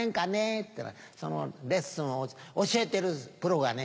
ったらそのレッスンを教えてるプロがね